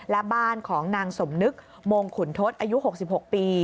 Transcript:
และบ้านของนางสมนึกมงขุนทศอายุ๖๖ปี